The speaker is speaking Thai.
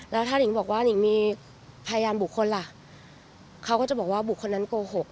แล้วถ้านิงบอกว่านิงมีพยานบุคคลล่ะเขาก็จะบอกว่าบุคคลนั้นโกหก